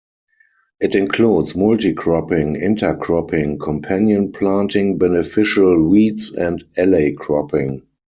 It includes multi-cropping, intercropping, companion planting, beneficial weeds, and alley cropping.